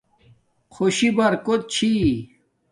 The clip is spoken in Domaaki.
خوشی برکوت چھی